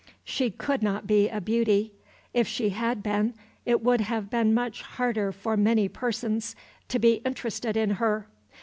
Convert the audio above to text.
She could not be a beauty; if she had been, it would have been much harder for many persons to be interested in her.